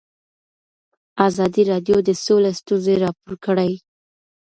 ازادي راډیو د سوله ستونزې راپور کړي.